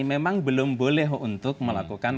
memang belum boleh untuk melakukan